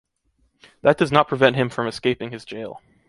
That does not prevent him from escaping his jail.